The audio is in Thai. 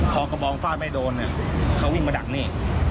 พอกระบองฟาดไม่โดนเนี่ยเขาวิ่งมาดักนี่